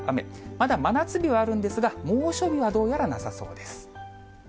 まだ真夏日はあるんですが、猛暑日はどうやらなさそうです。